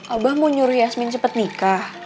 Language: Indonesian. abah mau nyuruh yasmin cepat nikah